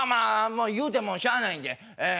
もう言うてもしゃあないんでええ